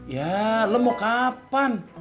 ya lu mau kapan